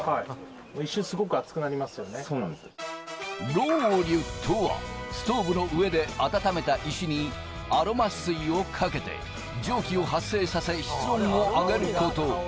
ロウリュとはストーブの上で温めた石にアロマ水をかけて、蒸気を発生させ、室温を上げること。